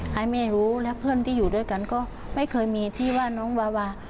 ให้แม่รู้และเพื่อนที่อยู่ด้วยกันก็ไม่เคยมีที่ว่าน้องวาวา